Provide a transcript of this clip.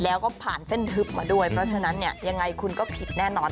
แล้วก็ผ่านเส้นทึบมาด้วยเพราะฉะนั้นเนี่ยยังไงคุณก็ผิดแน่นอน